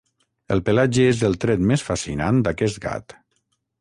El pelatge és el tret més fascinant d'aquest gat.